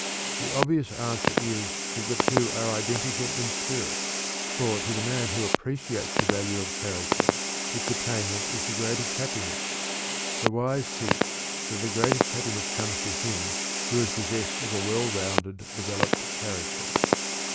The obvious answer is that the two are identical in spirit, for to the man who appreciates the value of character, its attainment is the greatest happiness; the wise teach that the greatest happiness comes to him who is possessed of a well rounded, developed character.